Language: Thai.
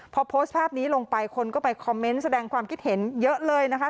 พอโพสต์ภาพนี้ลงไปคนก็ไปคอมเมนต์แสดงความคิดเห็นเยอะเลยนะคะ